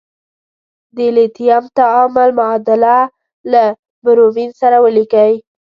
د لیتیم تعامل معادله له برومین سره ولیکئ.